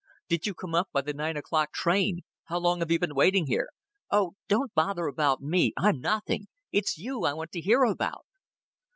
"Did you come up by the nine o'clock train? How long have you been waiting here?" "Oh, don't bother about me. I'm nothing. It's you I want to hear about."